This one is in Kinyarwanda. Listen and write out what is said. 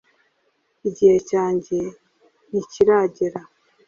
“Igihe cyanjye ntikiragera